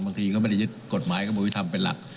บางทีก็ไม่ได้ยึดกฎหมายกระบวนวิทธรรมเป็นหลัก